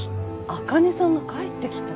あかねさんが帰ってきた！？